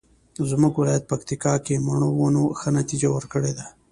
زمونږ ولایت پکتیکا کې مڼو ونو ښه نتیجه ورکړې ده